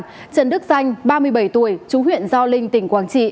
trần đức danh ba mươi bảy tuổi chú huyện gio linh tỉnh quảng trị